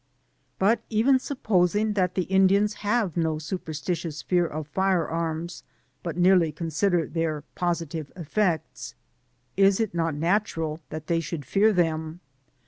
But even supposing that the Indians have no superstitious fear of fire aifms, but merely consider their positive efiects, — ^is it not natural that they should fear them?